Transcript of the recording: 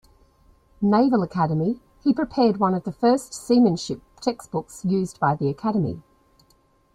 Naval Academy, he prepared one of the first seamanship textbooks used by the Academy.